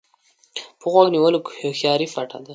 په غوږ نیولو کې هوښياري پټه ده.